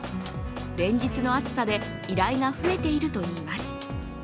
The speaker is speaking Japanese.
連日の暑さで依頼が増えているといいます。